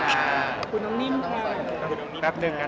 ขอบคุณน้องนิ่มค่ะ